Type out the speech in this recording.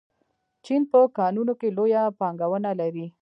چین په کانونو کې لویه پانګونه لري.